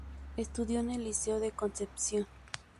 Estudió en el Liceo de Concepción.